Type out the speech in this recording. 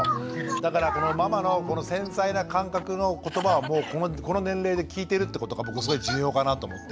だからママのこの繊細な感覚の言葉をもうこの年齢で聞いてるってことが僕すごい重要かなと思って。